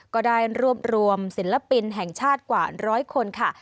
ก็ได้รวบรวมศิลปินแห่งชาติกว่าร้อยคนค่ะ